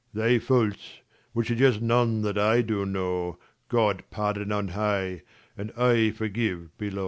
235 Thy faults, which are just none that I do know, God pardon on high, and I forgive below.